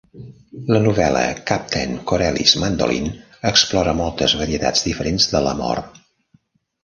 La novel·la "Captain Corelli's Mandolin" explora moltes varietats diferents de l'amor.